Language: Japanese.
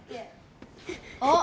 あっ。